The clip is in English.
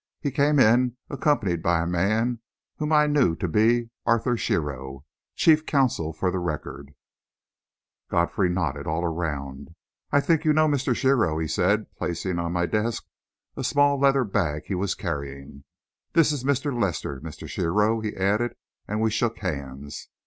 He came in accompanied by a man whom I knew to be Arthur Shearrow, chief counsel for the Record. Godfrey nodded all around. "I think you know Mr. Shearrow," he said, placing on my desk a small leather bag he was carrying. "This is Mr. Lester, Mr. Shearrow," he added, and we shook hands.